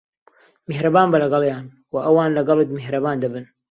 میھرەبان بە لەگەڵیان، و ئەوان لەگەڵت میھرەبان دەبن.